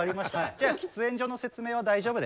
じゃあ喫煙所の説明は大丈夫ですかね。